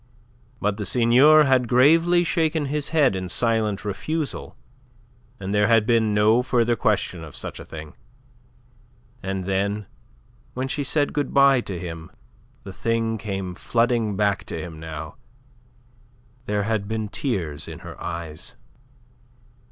But the Seigneur had gravely shaken his head in silent refusal, and there had been no further question of such a thing. And then, when she said good bye to him the thing came flooding back to him now there had been tears in her eyes.